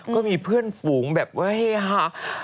ก็มีเพื่อนฝูงแบบเฮ้ยค่ะ